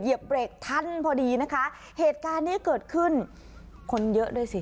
เหยีเบรกทันพอดีนะคะเหตุการณ์เนี้ยเกิดขึ้นคนเยอะด้วยสิ